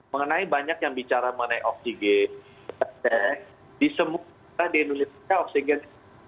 mengenai banyak yang bicara mengenai oksigen di semua di indonesia oksigen